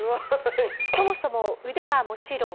そもそも腕はもちろん